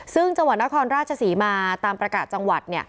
ซึ่งจังหวัดนครราชศรีมาตามประกาศจังหวัด